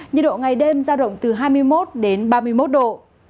nhiệt độ ngày đêm giao động từ hai mươi một đến ba mươi một độ